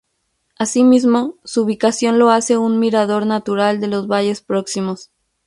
Asimismo, su ubicación lo hace un mirador natural de los valles próximos.